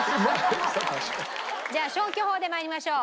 じゃあ消去法で参りましょう。